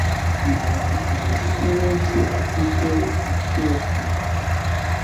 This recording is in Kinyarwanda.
Nta nshuti nyinshi afite i Kyoto.